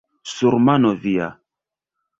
Sur mano via!